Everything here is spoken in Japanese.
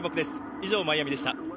以上、マイアミでした。